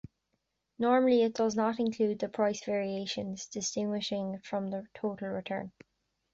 Normally, it does not include the price variations, distinguishing it from the total return.